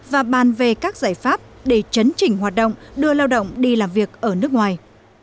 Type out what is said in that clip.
và bàn về các giải pháp để chấn chỉnh hoạt động đưa lao động đi làm việc ở nước ngoài